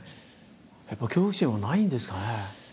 やっぱ恐怖心はないんですかね？